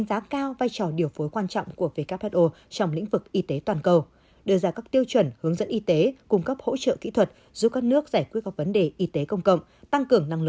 xin chào các bạn